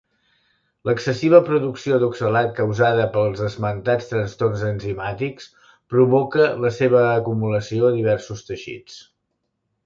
L’excessiva producció d’oxalat causada pels esmentats trastorns enzimàtics provoca la seva acumulació a diversos teixits.